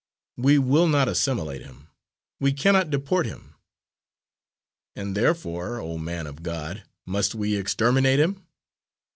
We will not assimilate him, we cannot deport him " "And therefore, O man of God, must we exterminate him?"